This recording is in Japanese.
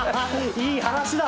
いい話だぞ。